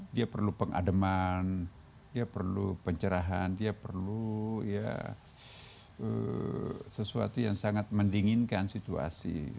dia perlu pengademan dia perlu pencerahan dia perlu sesuatu yang sangat mendinginkan situasi